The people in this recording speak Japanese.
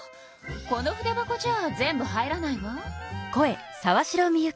この筆箱じゃあ全部入らないわ。